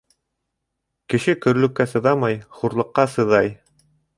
Кеше көрлөккә сыҙамай, хурлыҡҡа сыҙай.